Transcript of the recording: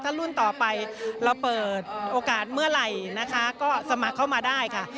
รุ่นต่อไปเราเปิดโอกาสเมื่อไหร่นะคะก็สมัครเข้ามาได้ค่ะ